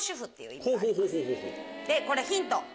これヒント。